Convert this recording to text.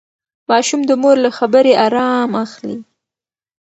ماشوم د مور له خبرې ارام اخلي.